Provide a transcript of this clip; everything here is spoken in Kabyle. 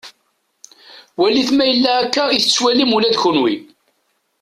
Walit ma yella akka i t-tettwalim ula d kunwi.